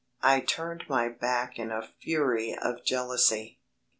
I turned my back in a fury of jealousy.